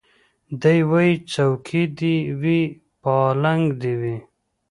دی وايي څوکۍ دي وي پالنګ دي وي